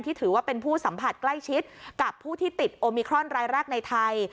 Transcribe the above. ถือว่าเป็นผู้สัมผัสใกล้ชิดกับผู้ที่ติดโอมิครอนรายแรกในไทย